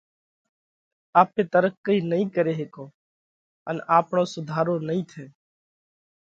آپي ترقئِي نئين ڪري هيڪون ان آپڻو سُڌارو نئين ٿئہ۔